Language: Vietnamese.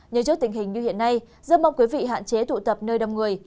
nhớ trước tình hình như hiện nay giúp mong quý vị hạn chế tụ tập nơi đông người